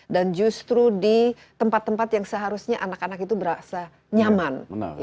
dan justru di tempat tempat yang seharusnya anak anak itu berasa nyaman